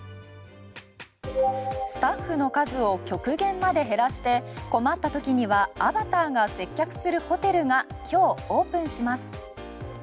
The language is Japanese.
スタッフの数を極限まで減らして困った時にはアバターが接客するホテルが今日オープンします。